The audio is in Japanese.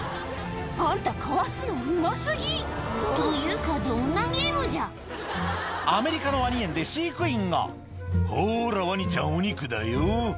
あんたかわすのうま過ぎというかどんなゲームじゃアメリカのワニ園で飼育員が「ほらワニちゃんお肉だよ」